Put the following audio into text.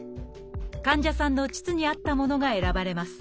患者さんの腟に合ったものが選ばれます